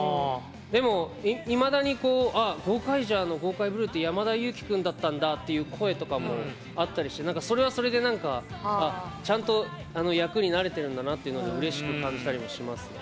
でもいまだにこう「あっ『ゴーカイジャー』のゴーカイブルーって山田裕貴くんだったんだ」っていう声とかもあったりしてそれはそれで何か「ああちゃんと役になれてるんだな」っていうのでうれしく感じたりもしますね。